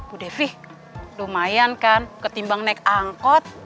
udah lama gak